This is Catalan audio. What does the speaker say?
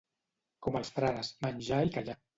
Com els frares, menjar i callar.